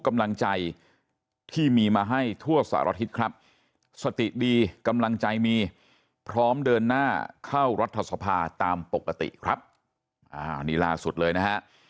กำลังใจที่มีมาให้ทั่วสารทิศครับสติดีกำลังใจมีพร้อมเดินหน้าเข้ารัฐสภาตามปกติครับอ่านี่ล่าสุดเลยนะฮะ